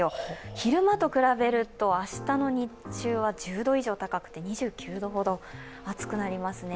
昼間と比べると、明日の日中は１０度以上高くて２９度ほど暑くなりますね。